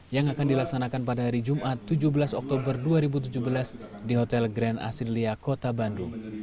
yang akan dilaksanakan pada hari jumat tujuh belas oktober dua ribu tujuh belas di hotel grand asilia kota bandung